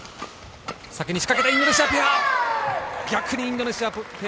先に仕掛けていくインドネシアペア。